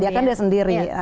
dia kan dia sendiri